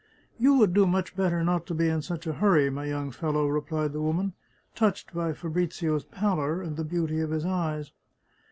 " You would do much better not to be in such a hurry, my young fellow," replied the woman, touched by Fabrizio's pallor and the beauty of his eyes.